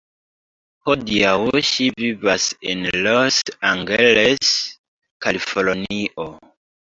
Hodiaŭ ŝi vivas en Los Angeles, Kalifornio.